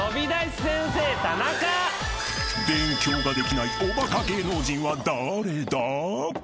［勉強ができないおバカ芸能人は誰だ？］